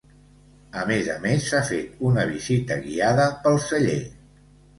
A més a més s’ha fet una visita guiada pel celler.